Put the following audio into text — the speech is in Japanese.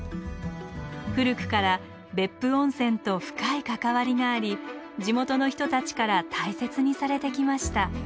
古くから別府温泉と深い関わりがあり地元の人たちから大切にされてきました。